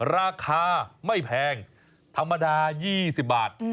ราคาไม่แพงธรรมดา๒๐บาท